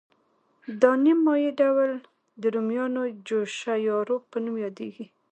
دا نیم مایع ډول د رومیانو جوشه یا روب په نوم یادیږي.